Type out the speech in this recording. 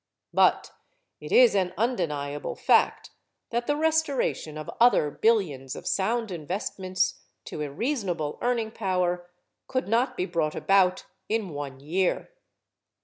But it is an undeniable fact that the restoration of other billions of sound investments to a reasonable earning power could not be brought about in one year.